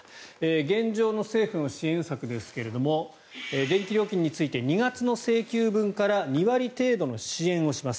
現状の政府の支援策ですが電気料金について２月の請求分から２割程度の支援をします